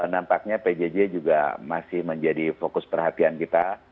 nampaknya pjj juga masih menjadi fokus perhatian kita